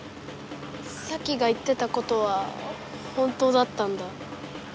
サキが言ってたことは本当だったんだ。